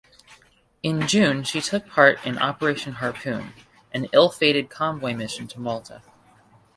In June she took part In Operation Harpoon, an ill-fated convoy mission to Malta.